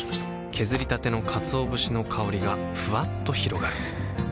削りたてのかつお節の香りがふわっと広がるはぁ。